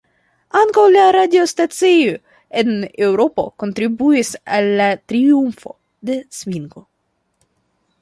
Ankaŭ la radiostacioj en Eŭropo kontribuis al la triumfo de svingo.